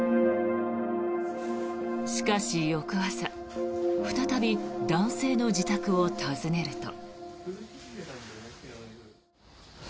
しかし、翌朝再び男性の自宅を訪ねると。